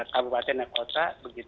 kabupaten dan kota